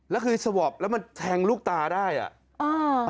แล้วคือสวอปแล้วมันแทงลูกตาได้อ่ะอ่า